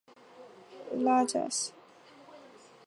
拉贾斯坦邦为印地语的通行范围。